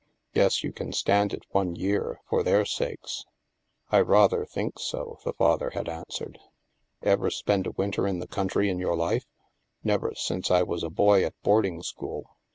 Guess you can stand it one year, for their sakes." I rather think so," the father had answered. " Ever spend a winter in the country in your life?" " Never since I was a boy at boarding school."